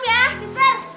bawain minum ya sister